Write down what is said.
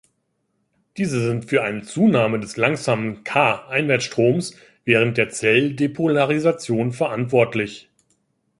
Diese sind für eine Zunahme des langsamen Ca-Einwärtsstroms während der Zell-Depolarisation verantwortlich.